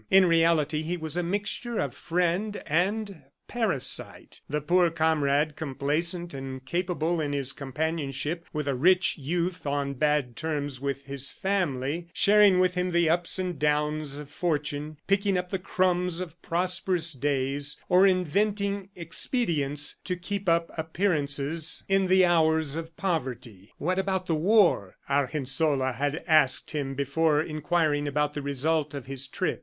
In reality, he was a mixture of friend and parasite, the poor comrade, complacent and capable in his companionship with a rich youth on bad terms with his family, sharing with him the ups and downs of fortune, picking up the crumbs of prosperous days, or inventing expedients to keep up appearances in the hours of poverty. "What about the war?" Argensola had asked him before inquiring about the result of his trip.